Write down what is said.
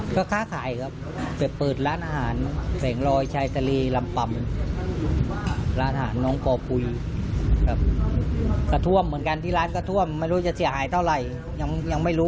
ประกอบอาชีพอะไรล่ะครับ